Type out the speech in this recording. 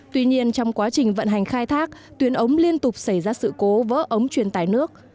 tuy nhiên trong quá trình vận hành khai thác tuyến ống liên tục xảy ra sự cố vỡ ống truyền tải nước